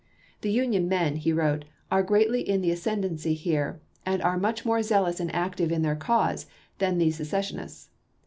" The Union men," he wrote, " are greatly in the ascendency here, and are much more zealous and active in their cause than the seces sionists.